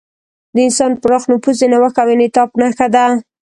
د انسان پراخ نفوذ د نوښت او انعطاف نښه ده.